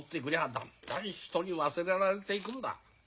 だんだん人に忘れられていくんだ。